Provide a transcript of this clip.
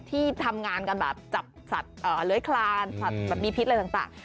ที่ทำงานกันแบบจับสัตว์เลื้อยคลานสัตว์แบบมีพิษอะไรต่าง